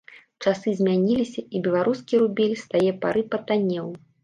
Часы змяніліся, і беларускі рубель з тае пары патаннеў.